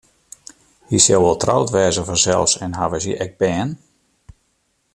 Hy sil wol troud wêze fansels en hawwe se ek bern?